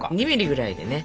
２ｍｍぐらいでね。